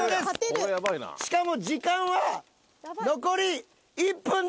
勝てるしかも時間は１分！？